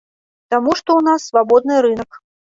Таму што ў нас свабодны рынак.